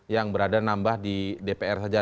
yang berada nambah di dpr saja